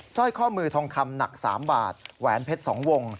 สร้อยข้อมือทองคำหนัก๓บาทแหวนเพชร๒วง